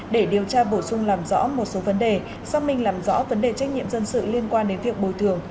để điều tra bổ sung làm rõ một số vấn đề xác minh làm rõ vấn đề trách nhiệm dân sự liên quan đến việc bồi thường